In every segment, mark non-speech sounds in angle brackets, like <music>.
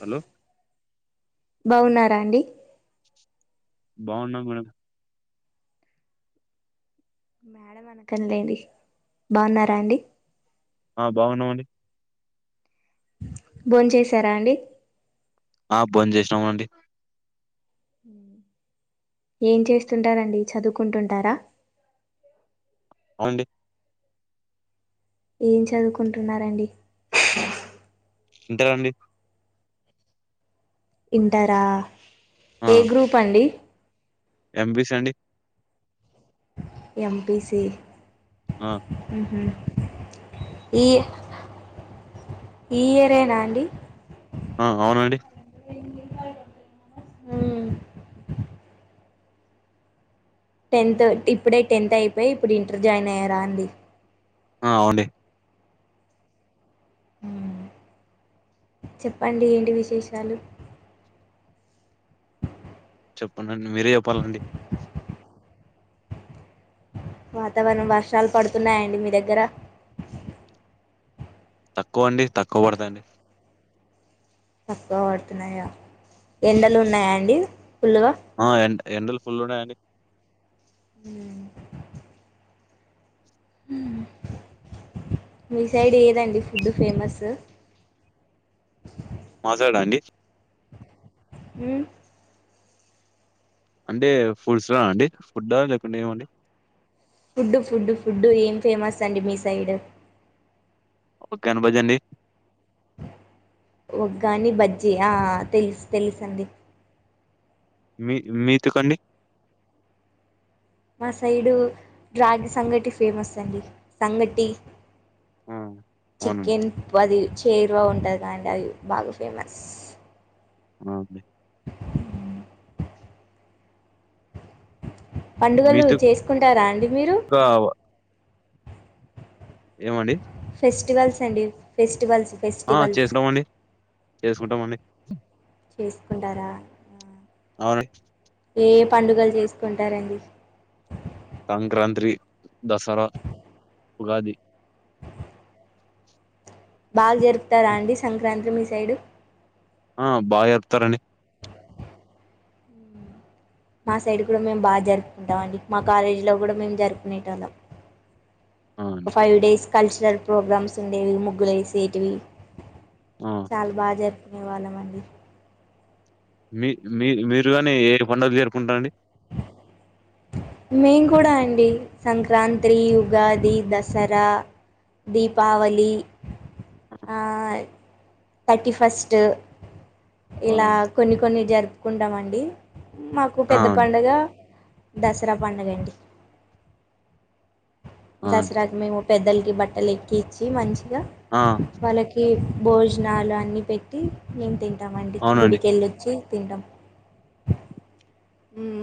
Hello బాగున్నారా అండి బాగున్నాం మేడం కనిలేండి బాగున్నారా అండి ఆ బాగున్నామండి బోచేసారా అండి ఆ బోచేసంమండి ఏం చేస్తుంటారండి చదువుకుంటుంటారా అవుండి ఏం చదువుకుంటున్నారండి ఇంటర్ అండి ఇంటరా ఏ గ్రూప్ అండి ఎంపీసీ అండి ఎంపీసీ ఆ ఉహు ఈ ఈయరేనాండి ఆ అవునండి మ్ టెన్త్ ఇప్పుడే టెన్త్ అయిపోయి ఇప్పుడు ఇంటర్ జాయిన్ అయ్యారా అండి ఆ అవుండి చెప్పండి ఏంటి విశేషాలు చెప్పండి మీరే చెప్పాలండి వాతావరణం వర్షాలు పడుతున్నాయండి మీ దగ్గర తక్కువ అండి తక్కువ పడతాయండి తక్కువ పడుతున్నాయా ఎండలు ఉన్నాయా అండి ఫుల్లుగా ఆ ఎ ఎండలు ఫుల్ ఉన్నాయీ అండి ఉ ఉహు డిసైడ్ ఏదండి ఫుడ్ ఫేమస్ మా సైడ్ ఆ అండి ఉమ్ అంటే ఫుడ్స్ లోన అండి ఫుడ్ లేకుంటే ఏమండి ఫుడ్డు ఫుడ్డు ఫుడ్డు ఏం ఫేమస్ అండి మీ సైడ్ ఉగ్గాని బజ్జి అండి ఉగ్గాని బజ్జి ఆ తెలుసు తెలుసు అండి మీ మీతుకండి మా సైడు రాగి సంగటి ఫేమస్ అండి సంగటి ఆ అవునండి చికెన్ పది చరువ ఉంట క అంట అవి బాగా ఫేమస్ ఒకే పండుగలు చేసుకుంటారా అండి మీరు కావ ఏమండి ఫెస్టివల్స్ అండి ఫెస్టివల్స్ ఆ ఫెస్టివల్స్ చేసున్నామ అండి చేసుకుంటామండి చేసుకుంటారా అవునండి ఏ ఏ పండుగలు చేసుకుంటారండి సంక్రాంతి దసరా ఉగాది బాగా జరుపుతారా అండి సంక్రాంతి మీ సైడు ఆ బాగా జరుపుతార్ అండి మా సైడ్ కూడా మేము బాగా జరుపుకుంటాం అండి మా కాలేజీలో కూడా మేము జరుపుకునేట వాళ్ళం ఆ ఒక అండి ఫైవ్ డేస్ కల్చరల్ ప్రోగ్రామ్స్ ఉండేవి ముగ్గులు వేసేటివి ఆ చాలా బాగా జరుపుకునే వాళ్ళం అండి మీ మీ మీరు కాని ఏ పండుగలు జరుపుకుంటారండి మేము కూడా అండి సంక్రాంతి ఉగాది దసరా దీపావళి ఆ థర్టీ ఫస్ట్ ఇలా అవునండి. కొన్ని కొన్ని జరుపుకుంటామ అండి మాకు ఆ! పెద్ద అండి. పండుగ దసరా పడుగండి ఆ! అండి. దసరాకి మేము పెద్దలకి బట్టలు ఎక్కించి మంచిగా ఆ! వాళ్ళకి భోజనాలు అన్నీ పెట్టి మేము తింటామ అండి అవునండి. గుడికెళ్ళొచ్చి తింటాం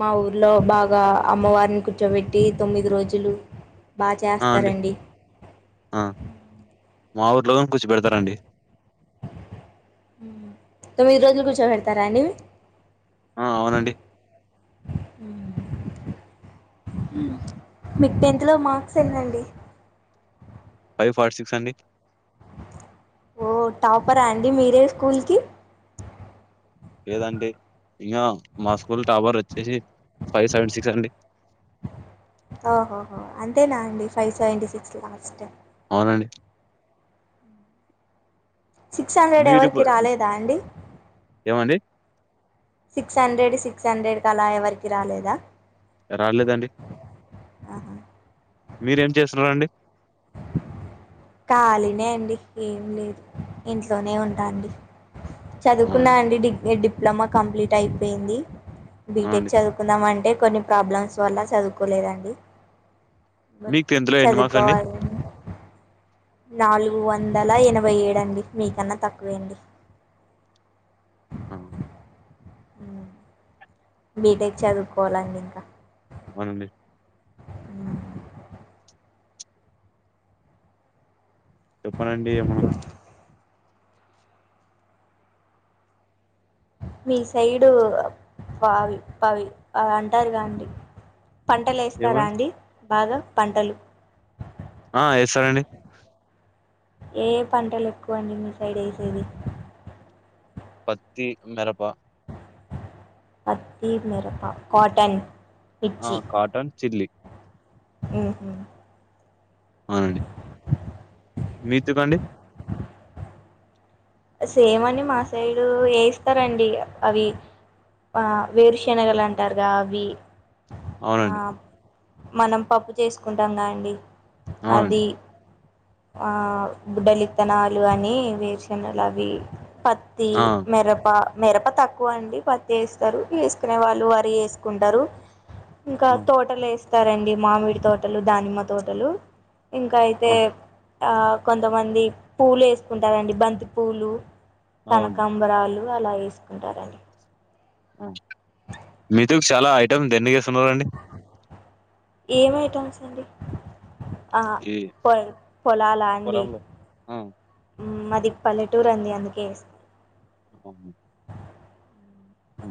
మా ఊర్లో బాగా అమ్మవారిని కూర్చోబెట్టి తొమ్మిది రోజులు బాగా ఆ! అండి. చేస్తారండి ఆ! మా ఊర్లోగా కూర్చోపెడతారండి తొమ్మిది రోజులు కూర్చోబెడతారా అండి అ ఆ! అవునండి. మీకు టెన్త్ లో మార్క్స్ ఎన్నండి ఫైవ్ ఫాటి సిక్స్ అండి ఓ టాపరా అండి మీరే స్కూల్ కి లేదండి ఇంకా మా స్కూల్ టావర్ వచ్చేసి ఫైవ్ సెవెన్ సిక్స్ అండి ఓహోహో అంతేనా అండి ఫైవ్ సెవెంటీ సిక్స్ లాస్ట్ అవునండి సిక్స్ హండ్రెడ్ మీరు ఇప్పు ఎవరికి రాలేదా అండి ఏమండి? సిక్స్ హండ్రెడ్ సిక్స్ హండ్రెడ్ క అలా ఎవరికి రాలేదా రాలలేదండి ఆహా మీరేం చేస్తున్నండి కాళీ అండి ఏం లేదు ఇంట్లోనే ఉంటాండి చదువుకున్నా అవునండి. అండి డిగ్రీ డిప్లొమా కంప్లీట్ అయిపోయింది ఆ! బీటెక్ అండి. చదువుకుందాం అంటే కొన్ని ప్రాబ్లమ్స్ వల్ల చదువుకోలేదండి మీకు ఎన్ని మార్క్స్ అండి? చదువుకోవాలి నాలుగు వందల ఎనభై ఏడు అండి మీకన్నా తక్కువేండి ఆ బీటెక్ చదువుకోవాలండి ఇంకా అవునండి ఉ చెప్పనండి ఏమన్నా మీ సైడు ఫాల్ పావి అవంటారుగాదండి పంటలేస్తారా ఏమండి? అండి బాగా పంటలు ఆ ఎస్తారండి ఏ పంటలు ఎక్కువండి మీ సైడ్ వేసేది పత్తి మిరప పత్తి మేరప కాటన్ ఆ కాటన్ చిల్లి ఉహు అవునండి మీత్తిప్పండి సేమ్ అండి మా సైడు ఎస్తారండి అవి ఆ వేరుశనగలు అంటారుగా అవి ఆ అవునండి మనం పప్పు చేసుకుంటాంగా అండి అవునండి. అది ఆ బుడ్డలిత్తనాలు అని వేరుశనలు అవి పత్తి ఆ! మిరప మిరప తక్కువ అండి పత్తి ఎస్తారు వేసుకునే వాళ్ళు వరి ఎసుకుంటారు ఇంకా ఆ! తోటలేస్తారండి మామిడి తోటలు దానిమ్మ తోటలు ఇంకా అయితే ఆ! ఆ కొంతమంది పూలు ఎసుకుంటారండి బంతి పూలు అవును. కనకాంబరాలు అలా ఎసుకుంటారండి మీతో చాలా ఐటమ్ దండిగా ఎసున్నారండి ఏమైటమ్స్ అండి ఆ ఈ పొ పొలాల అండి పొలంలో. ఆ! ఉమ్ మాది పల్లెటూరు అండి అందుకే ఎస అవునా అ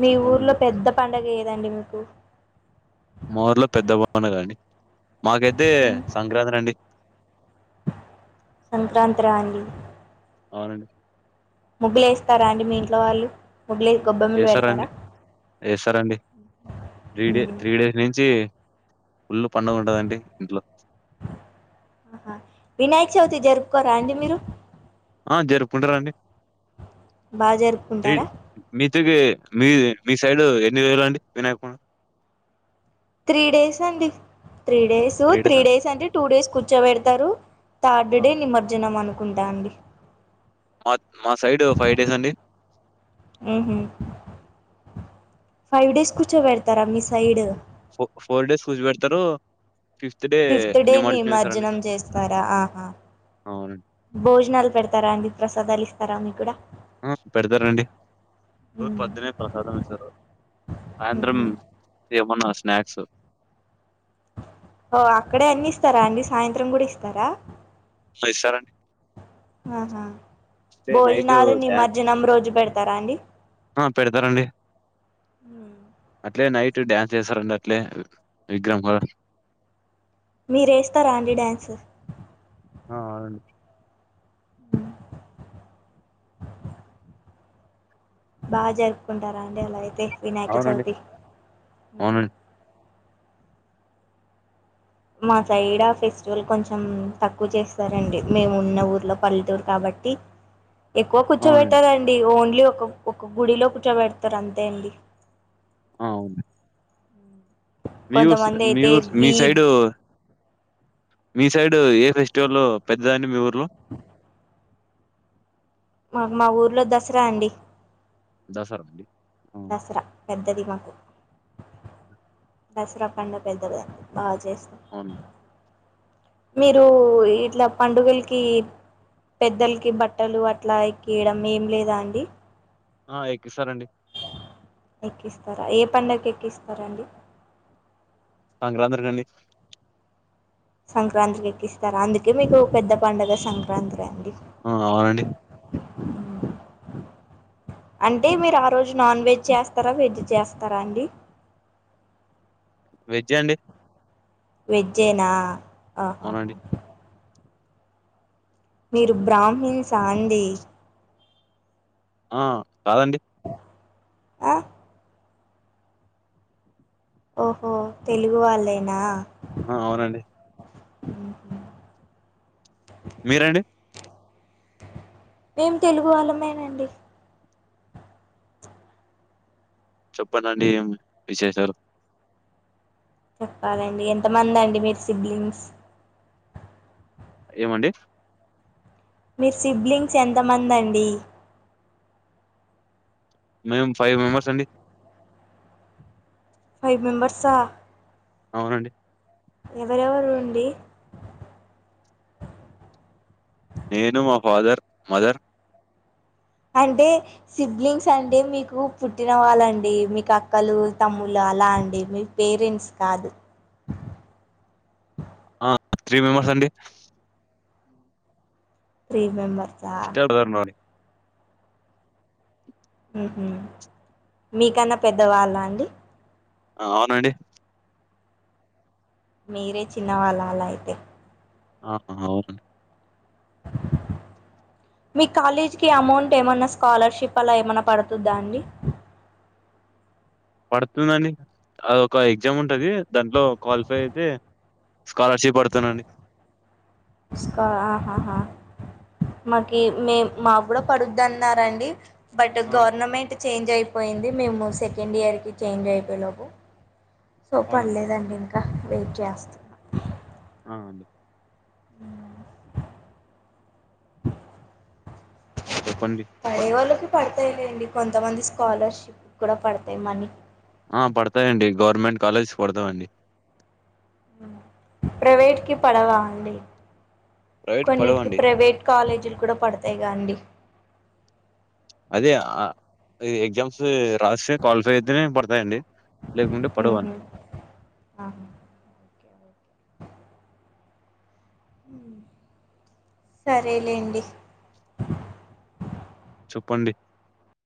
మీ ఊర్లో చెప్పండండి. పెద్ద పండగ ఏదండి మీకు మా ఊర్లో పెద్ద పండగ అండి మాకైతే సంక్రాంత్రి అండి సంక్రాంత్రా అండి అవునండి ముగ్గులేస్తారా అండి మీ ఇంట్లో వాళ్ళు ముగ్గులే గొబ్బెమ్మలు ఎస్తారండి పెడతారా ఎస్తారండి త్రీ డే మ్, త్రీ డేస్ నించి ఫుళ్లు పండగుంటాదండి ఇంట్లో ఆహా వినాయక చవితి జరుపుకోరా అండి మీరు ఆ జరుపుకుంటారండి బాగా జరుపుకుంటారా తిదే మీది మీ సైడ్ ఎన్ని రోజులు అండి వినాయకప త్రీ డేస్ అండి త్రీ డేసు త్రీ డేసా? డేస్ అంటే టూ డేస్ కూర్చోబెడతారు థర్డ్ ఆ! డే నిమజ్జనం అను కుంటాండి మాక్ మా సైడు ఫైవ్ డేస్ అండి ఉహుమ్ ఫైవ్ డేస్ కూర్చోబెడతారా మీ సైడ్ ఫో ఫోర్ డేస్ కూర్చోబెడతారు ఫిఫ్త్ డే నిమజ్జనం చేస్తారా ఆహా అవునండి. భోజనాలు పెడతారా అండి ప్రసాదాలు ఇస్తారా మీకు కూడా ఆ పెడతారండి రోజు పొద్దున్నే ప్రసాదం ఇస్తారు సాయంత్రం ఉహు ఏమన్నా స్నాక్స్ ఓ అక్కడే అన్ని ఇస్తారా అండి సాయంత్రం కూడా ఇస్తారా ఇస్తారండి ఆహా అట్లే నైట్ భోజనాలు డాన్స్ నిమజ్జనం రోజు పెడతారా అండి ఆ పెడతారండి హుమ్ అట్లే నైట్ డ్యాన్స్ చేస్తారండి అట్లే విగ్రహం కాడ మీరేస్తారా అండి డాన్స్ ఆ అవునండి <inaudible> బా జరుపుకుంటారా అండి అలా అయితే వినాయక అవునండి చవితి ఊమ్ అవునండి మా సైడ్ ఆ ఫెస్టివల్ కొంచెం తక్కువ చేస్తారండి మేము ఉన్న ఊర్లో పల్లెటూరు కాబట్టి ఎక్కువ అవునండి కూర్చోబెట్టారండి ఓన్లీ ఒక ఒక గుడిలో కూర్చోబెడతారు అంతే అండి ఆ అవును మ్మ్. మీ ఊరుసూ కొంతమంది మీ అయితే ఊరుసు మీ వీ సైడు మీ సైడు ఏ ఫెస్టివల్ పెద్దదండి మీ ఊర్లో మాకు మా ఊర్లో దసరా అండి దసరా అండి ఆ దసరా పెద్దది మాకు దసరా పండుగా పెద్దదండి బా చేస్తారు అవున్ మీరు ఇట్లా పండుగలకి పెద్దలకి బట్టలు అట్లా ఎక్కయడం ఏం లేదా అండి ఆ ఎకిస్తారండి ఎక్కిస్తారా ఏ పండక్కి ఎక్కిస్తారండి సంక్రాత్రి కండి సంక్రాంతికి ఎక్కిస్తారా అందుకే మీకు పెద్ద పండుగ సంక్రాంత్రి అండి ఆ అవునండి అ అంటే మీరు ఆ రోజు నాన్ వెజ్ చేస్తారా వెజ్ చేస్తారా అండి వెజ్ అండి వెజ్జేనా ఆహహా అవునండి మీరు బ్రాహ్మిన్స్ ఆ అండి ఆ కాదండి ఆ ఓహో తెలుగు వాళ్లేనా ఆ అవునండి ఉహు మీరండి మేం తెలుగు వాళ్లమేనండి. చెప్పాలండి ఏం విశేషాలు? చెప్పాలండి ఎంతమంది అండి మీరు సిబ్లింగ్స్? ఏమండి మీ సిబ్లింగ్స్ ఎంతమందండి? మేము ఫైవ్ మెంబర్స్ అండి ఫైవ్ మెంబర్సా అవునండి ఎవరెవరు ఉండి నేను, మా ఫాదర్, మదర్ అంటే సిబ్లింగ్స్ అంటే మీకు పుట్టిన వాళ్ళండి మీకు అక్కలు, తమ్ములా అలాండి మీ పేరెంట్స్ కాదు. ఆ త్రీ మెంబర్స్ అండి. త్రీ మెంబర్ ఇష్టదారు నారి ఉహు మీకన్నా పెద్దవాళ్ళా అండి? ఆ అవునండి. మీరే చిన్నవాళ్ళ అలా అయితే ఆహా అవున మీ కాలేజీకి అమౌంట్ ఏమన్నా స్కాలర్షిప్ అలా ఏమన్నా పడుతదా అండి? పడుతుందండి అదొక ఎగ్జామ్ ఉంటది దాంట్లో క్వాలిఫై అయితే స్కాలర్షిప్ పడతానండి స్క ఆహాహా మాకి మే మా కూడా పడుద్ అన్నారండి బట్ ఆ! గవర్నమెంట్ చేంజ్ అయిపోయింది మేము సెకండ్ ఇయర్కి చేంజ్ అయిపోయేలోపు సో అవునండి. పడలేదండి ఇంకా వెయిట్ చేస్తున్నా ఆ అండి చెప్పండి. పడే వాళ్ళకి పడతయిలేండి కొంతమంది స్కాలర్షిప్ కూడా పడతాయి మనీ ఆ పడతయండి గవర్నమెంట్ కాలేజీ పడతవండి ప్రైవేట్ కి పడవా అండి? ప్రైవేట్‌కి కొన్నిటికి పడవండి. ప్రైవేట్ కాలేజీలు కూడా పడతాయిగా అండి. అదే ఆ ఎగ్జామ్స్ రాస్తే క్వాలిఫై అయితేనే పడతాయండి లేకుంటే ఉహు పడవండి. ఆ సరేలేండి చొప్పండి